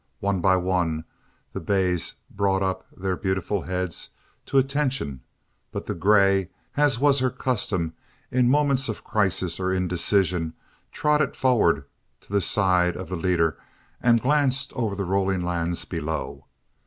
One by one the bays brought up their beautiful heads to attention but the grey, as was her custom in moments of crisis or indecision, trotted forward to the side of the leader and glanced over the rolling lands below.